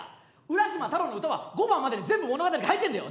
「浦島太郎」の歌は５番までに全部物語が入ってんだよ！